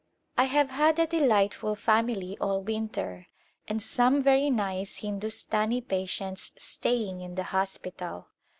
I have had a delightful family all winter and some very nice Hindustani patients staying in the hospital.